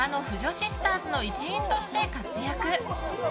シスターズの一員として活躍。